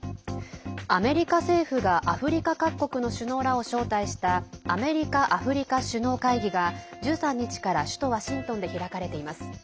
アメリカ政府がアフリカ各国の首脳らを招待したアメリカ・アフリカ首脳会議が１３日から首都ワシントンで開かれています。